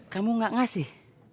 kamu gak ngasih